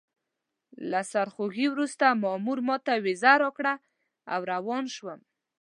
له سرخوږي وروسته مامور ماته ویزه راکړه او روان شوم.